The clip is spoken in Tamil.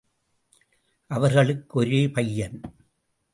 அவர்களுக்கு ஒரே பையன்.